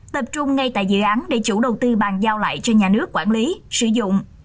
tập trung ngay tại dự án để chủ đầu tư bàn giao lại cho nhà nước quản lý sử dụng